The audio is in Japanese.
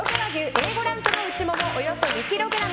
Ａ５ランクのうちもも、およそ２ｋｇ。